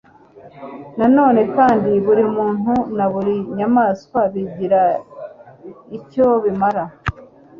Na none kandi buri muntu na buri nyamaswa bigira icyo bimara